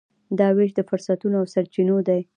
دا وېش د فرصتونو او سرچینو دی.